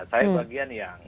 saya bagian yang